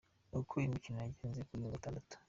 Uko imikino yagenze kuri uyu wa Gatandatu:.